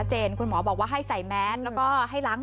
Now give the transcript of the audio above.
โดนโรงคนไทยใส่หน้ากากอนามัยป้องกันโควิด๑๙กันอีกแล้วค่ะ